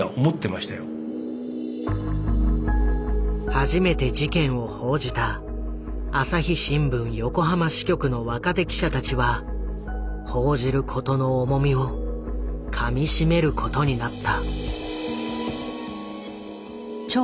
初めて事件を報じた朝日新聞横浜支局の若手記者たちは報じることの重みをかみしめることになった。